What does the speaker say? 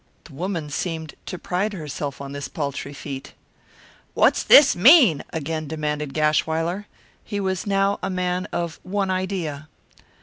The woman seemed to pride herself on this paltry feat. "What's this mean?" again demanded Gashwiler. He was now a man of one idea.